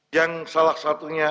yang salah satunya